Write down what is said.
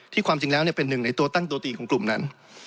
ความจริงแล้วเป็นหนึ่งในตัวตั้งตัวตีของกลุ่มนั้น